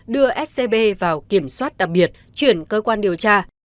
đưa scb vào kiểm soát đặc biệt chuyển cơ quan điều tra